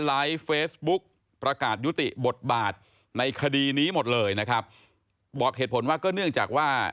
เลยนะครับบอกเหตุผลว่าก็เนื่องจากว่า